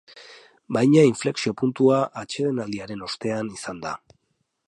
Baina inflexio-puntua atsedenaldiaren ostean izan da.